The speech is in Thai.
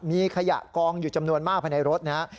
มีขยะกองอยู่จำนวนมากภายในรถนะครับ